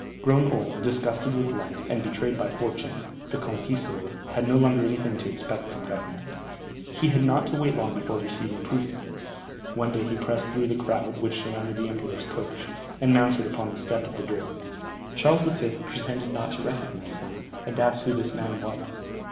Grown old, disgusted with life, and betrayed by fortune, the "conquistador" had no longer anything to expect from government. He had not to wait long before receiving proof of this; one day he pressed through the crowd which surrounded the emperor's coach, and mounted upon the step of the door. Charles V. pretended not to recognize him, and asked who this man was.